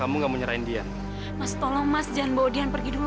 mas jangan bawa dian pergi dulu